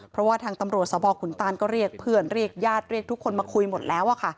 เพราะว่าทางตำรวจสบขุนตานก็เรียกเพื่อนเรียกญาติเรียกทุกคนมาคุยหมดแล้ว